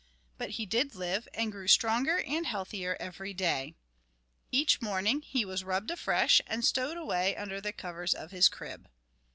But he did live, and grew stronger and healthier every day. Each morning he was rubbed afresh and stowed away under the covers of his crib.